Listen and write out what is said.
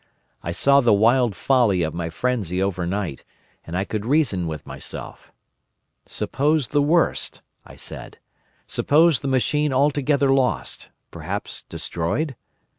I saw the wild folly of my frenzy overnight, and I could reason with myself. 'Suppose the worst?' I said. 'Suppose the machine altogether lost—perhaps destroyed?